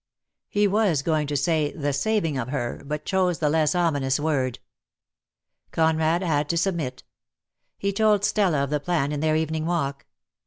He was going to say the saving of her — but chose the less ominous word. Conrad had to submit. He told Stella of the plan, in their evening walk.